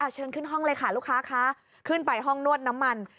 เชิญขึ้นห้องเลยค่ะลูกค้าคะขึ้นไปห้องนวดน้ำมัน